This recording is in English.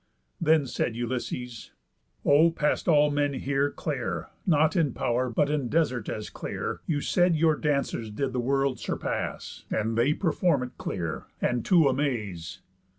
Then said Ulysses: "O, past all men here Clear, not in pow'r, but in desert as clear, You said your dancers did the world surpass, And they perform it clear, and to amaze."